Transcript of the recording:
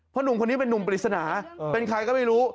หนุ่มคนนี้เป็นนุ่มปริศนาเป็นใครก็ไม่รู้